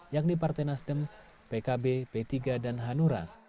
yakni partai nasdem pkb p tiga dan hanura